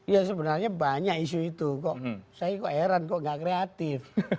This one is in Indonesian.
ya sebenarnya banyak isu itu kok saya kok heran kok nggak kreatif